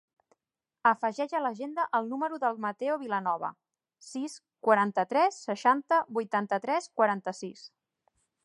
Afegeix a l'agenda el número del Matteo Vilanova: sis, quaranta-tres, seixanta, vuitanta-tres, quaranta-sis.